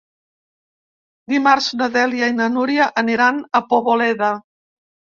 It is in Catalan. Dimarts na Dèlia i na Núria aniran a Poboleda.